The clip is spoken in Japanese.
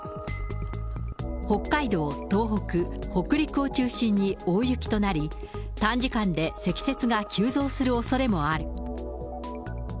北海道、東北、北陸を中心に大雪となり、短時間で積雪が急増する恐れもある。